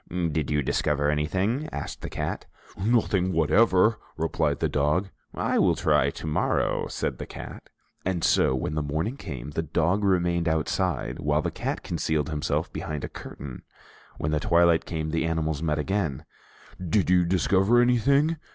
"Did you discover anything?" asked the cat. "Nothing whatever," replied the dog. "I will try to morrow," said the cat. And so, when the morning came, the dog remained outside while the cat concealed himself behind a curtain. When the twilight came, the animals met again. "Did you discover anything?"